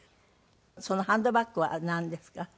そのハンドバッグはなんですか？